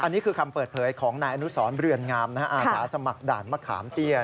อันนี้คือคำเปิดเผยของนายอนุสรเรือนงามอาสาสมัครด่านมะขามเตี้ย